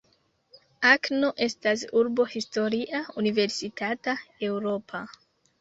Akeno estas urbo historia, universitata, eŭropa.